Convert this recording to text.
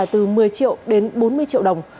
từ một mươi triệu đến bốn mươi triệu đồng